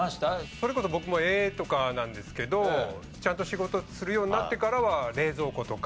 それこそ僕も絵とかなんですけどちゃんと仕事するようになってからは冷蔵庫とか。